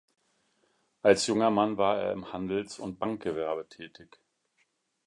Als junger Mann war er im Handels- und Bankgewerbe tätig.